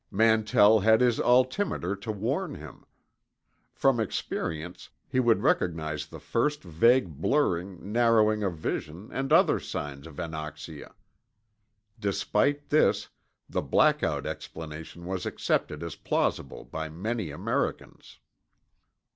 Mantell had his altimeter to warn him. From experience, he would recognize the first vague blurring, narrowing of vision, and other signs of anoxia. Despite this, the "blackout" explanation was accepted as plausible by many Americans.